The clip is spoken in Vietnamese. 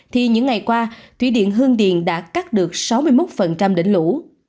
thì những ngày qua thủy điện hương điền đã cắt được sáu mươi một đỉnh lũ